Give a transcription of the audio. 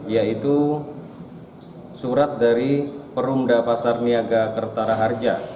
yaitu surat dari perumda pasar niaga kertara harja